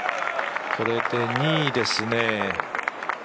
これで２位ですね。